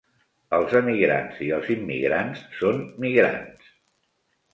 Els emigrants i els immigrants són migrants.